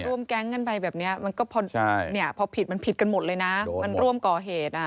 ร่วมแก๊งกันไปแบบนี้พอผิดมันผิดกันหมดเลยนะมันร่วมก่อเหตุ